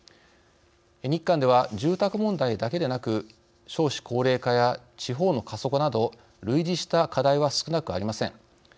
日韓では、住宅問題だけでなく少子高齢化や地方の過疎化など類似した課題は少なくありません。